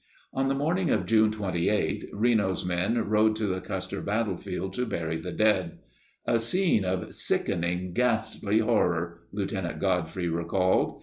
On the morning of June 28, Reno's men rode to the Custer battlefield to bury the dead. "A scene of sickening ghastly horror," Lieutenant Godfrey re called.